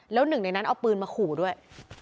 แล้วหนึ่งในนั้นเอาปืนมาขู่ด้วย